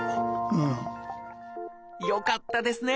よかったですね！